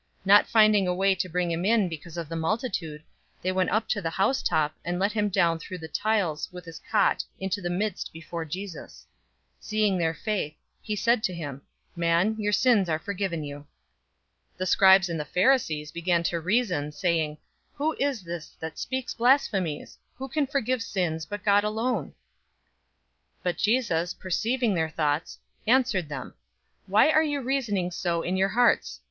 005:019 Not finding a way to bring him in because of the multitude, they went up to the housetop, and let him down through the tiles with his cot into the midst before Jesus. 005:020 Seeing their faith, he said to him, "Man, your sins are forgiven you." 005:021 The scribes and the Pharisees began to reason, saying, "Who is this that speaks blasphemies? Who can forgive sins, but God alone?" 005:022 But Jesus, perceiving their thoughts, answered them, "Why are you reasoning so in your hearts?